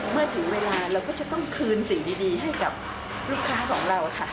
เมื่อถึงเวลาเราก็จะต้องคืนสิ่งดีให้กับลูกค้าของเราค่ะ